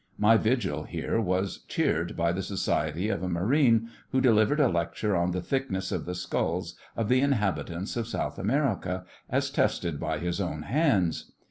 My vigil here was cheered by the society of a Marine, who delivered a lecture on the thickness of the skulls of the inhabitants of South America, as tested by his own hands.